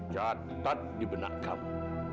catat di benak kamu